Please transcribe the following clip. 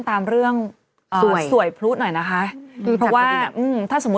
ตราบใดที่ตนยังเป็นนายกอยู่